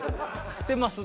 知ってます？